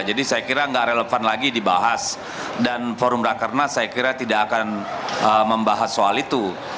jadi saya kira nggak relevan lagi dibahas dan forum rakrenas saya kira tidak akan membahas soal itu